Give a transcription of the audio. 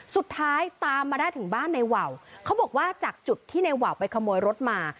สุดท้ายตามมาได้ถึงบ้านในว่าวเขาบอกว่าจากจุดที่ในว่าวไปขโมยรถมา